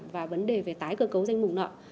và vấn đề về tái cơ cấu danh mục nợ